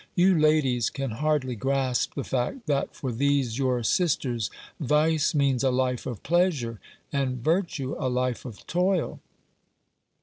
You ladies can hardly grasp the fact that for these your sisters vice means a life of pleasure, and virtue a life of toil.